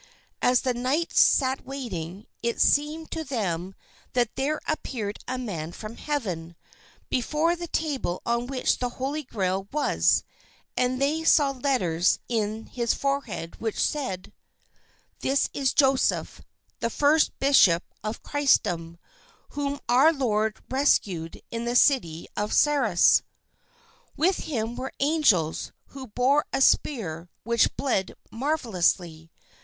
As the knights sat waiting, it seemed to them that there appeared a man from heaven, before the table on which the Holy Grail was, and they saw letters in his forehead which said: "This is Joseph, the first bishop of Christendom, whom our Lord rescued in the city of Sarras." With him were angels who bore a spear which bled marvelously.